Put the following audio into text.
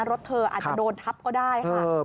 รถเธออาจจะโดนทับก็ได้ค่ะ